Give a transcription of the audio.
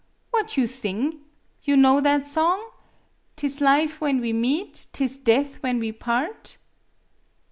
What you thing? You know that song ?" 'T is life when we meet, 'T is death when we part.